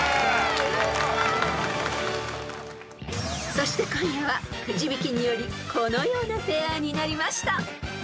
［そして今夜はくじ引きによりこのようなペアになりました］